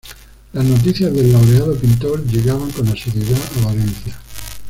Las noticias del laureado pintor llegaban con asiduidad a Valencia.